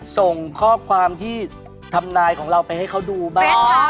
ส่งข้อความที่ทำนายของเราไปให้เขาดูบ้าง